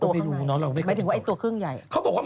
แบบไอตัวครึ่งใหญ่